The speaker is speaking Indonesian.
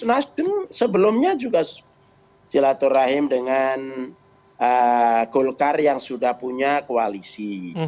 nasdem sebelumnya juga silaturahim dengan golkar yang sudah punya koalisi